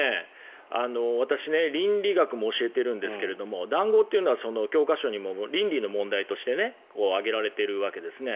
私、倫理学も教えているんですが談合というのは教科書にも倫理の問題として挙げられているわけですね。